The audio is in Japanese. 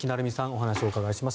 お話を伺いします。